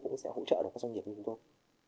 cũng sẽ hỗ trợ được các doanh nghiệp như chúng tôi